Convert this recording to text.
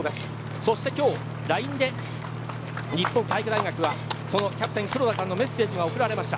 そして今日ＬＩＮＥで日本体育大学はキャプテン黒田からのメッセージが送られました。